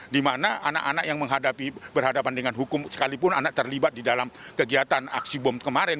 dimana anak anak yang berhadapan dengan hukum sekalipun anak terlibat di dalam kegiatan aksi bom kemarin